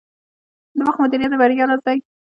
د وخت مدیریت د بریا راز دی.